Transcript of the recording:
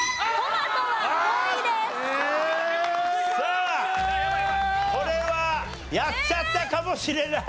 さあこれはやっちゃったかもしれない。